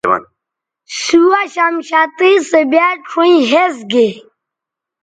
سُوہ شمشتئ سو بیاد شؤیں ھِس گے